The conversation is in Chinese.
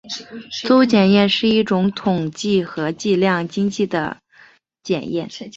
邹检验是一种统计和计量经济的检验。